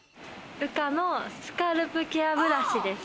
ｕｋａのスカルプケアブラシです。